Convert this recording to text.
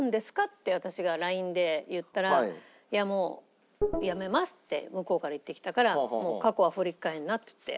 って私がＬＩＮＥで言ったら「いやもうやめます」って向こうから言ってきたから「もう過去は振り返るな」っつって。